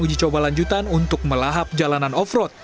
uji coba lanjutan untuk melahap jalanan off road